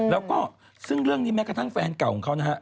แล้วก็ซึ่งเรื่องนี้แม้กระทั่งแฟนเก่าของเขานะฮะ